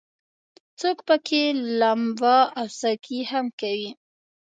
څوک پکې لمبا او سکي هم کوي.